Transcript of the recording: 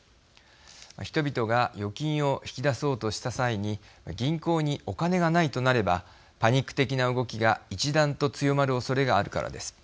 人々が預金を引き出そうとした際に銀行にお金がないとなればパニック的な動きが一段と強まるおそれがあるからです。